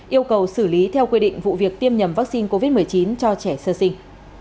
yêu cầu xử lý theo quy định vụ việc tiêm nhầm vaccine covid một mươi chín cho trẻ sơ sinh